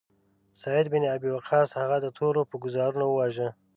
سعد بن ابی وقاص هغه د تورو په ګوزارونو وواژه.